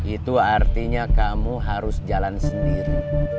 itu artinya kamu harus jalan sendiri